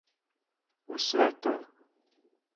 У све то.